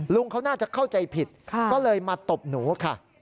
เขาน่าจะเข้าใจผิดก็เลยมาตบหนูค่ะ